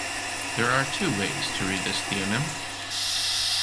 There are two ways to read this theonym.